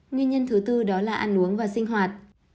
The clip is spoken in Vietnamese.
nguyên nhân thứ tư đó là ăn uống và sinh hoạt